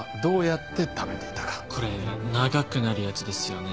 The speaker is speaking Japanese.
これ長くなるやつですよね？